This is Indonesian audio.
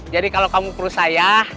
jadi kalau kamu perlu saya